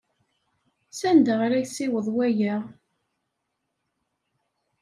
Sanda ara yessiweḍ waya?